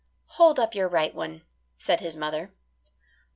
"Hold up your right one," said his mother.